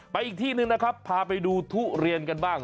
อีกที่หนึ่งนะครับพาไปดูทุเรียนกันบ้าง